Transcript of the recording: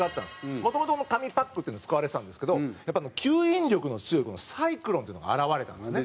もともと、紙パックっていうのが使われてたんですけど吸引力の強いサイクロンっていうのが現れたんですね。